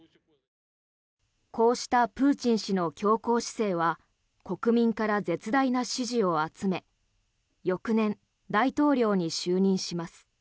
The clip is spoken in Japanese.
こうしたプーチン氏の強硬姿勢は国民から絶大な支持を集め翌年、大統領に就任します。